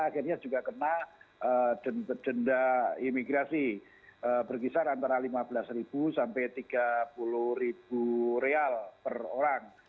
akhirnya juga kena denda imigrasi berkisar antara rp lima belas sampai rp tiga puluh per orang